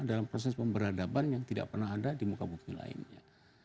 dalam proses pemberadaban yang tidak pernah ada di muka bukti lainnya